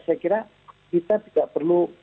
saya kira kita tidak perlu